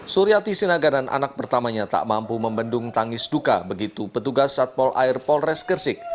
suriati sinaga dan anak pertamanya tak mampu membendung tangis duka begitu petugas satpol air polres gresik